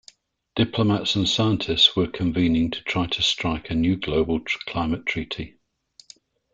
Diplomats and scientists were convening to try to strike a new global climate treaty.